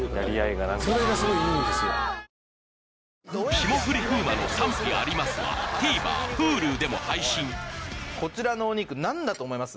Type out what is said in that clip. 『霜降り風磨の賛否アリマス』はＴＶｅｒＨｕｌｕでも配信こちらのお肉何だと思います？